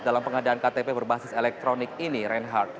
dalam pengadaan ktp berbasis elektronik ini reinhardt